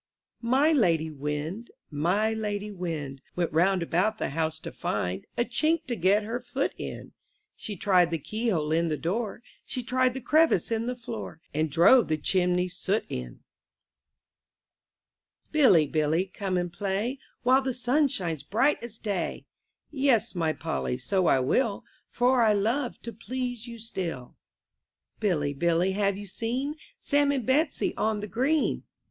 A/TY lady Wind, my lady Wind, J ^ l Went round about the house to find A chink to get her foot in; She tried the keyhole in the door, She tried the crevice in the floor, And drove the chimney soot in. ^ ^=0^ ©J 46 I N THE NURSERY p)ILLY, Billy, come and play, •*^ While the sun shines bright as day. Yes, my Polly, so I will. For I love to please you still. Billy, Billy, have you seen Sam and Betsy on the green?